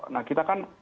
nah kita kan